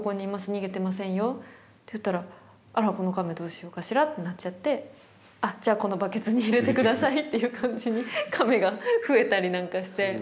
逃げてませんよ」って言ったら「あらこの亀どうしようかしら」ってなっちゃって「あっじゃあこのバケツに入れてください」っていう感じに亀が増えたりなんかして。